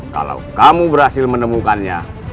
kalau kamu berhasil menemukannya